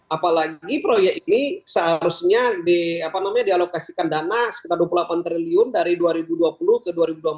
apalagi proyek ini seharusnya dialokasikan dana sekitar dua puluh delapan triliun dari dua ribu dua puluh ke dua ribu dua puluh empat